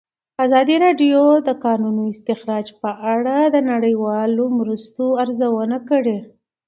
ازادي راډیو د د کانونو استخراج په اړه د نړیوالو مرستو ارزونه کړې.